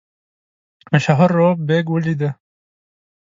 مشهور رووف بېګ ولیدی.